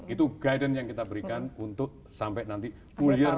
itu guidance yang kita berikan untuk sampai nanti full year dua ribu dua puluh dua